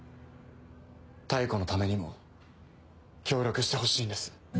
妙子のためにも協力してほしいんです。